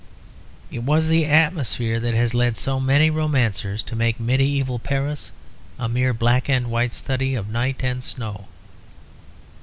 It was the atmosphere that has led so many romancers to make medieval Paris a mere black and white study of night and snow.